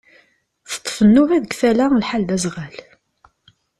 Teṭṭef nnuba deg tala, lḥal d azɣal.